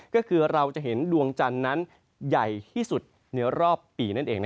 ก็คือเราจะเห็นดวงจันทร์นั้นใหญ่ที่สุดในรอบปีนั่นเอง